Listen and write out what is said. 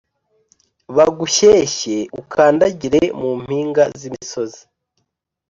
bagushyeshye Ukandagire mu mpinga z imisozi